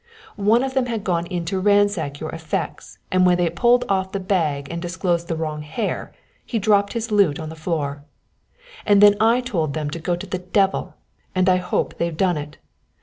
One of them had gone in to ransack your effects and when they pulled off the bag and disclosed the wrong hare, he dropped his loot on the floor; and then I told them to go to the devil, and I hope they've done it!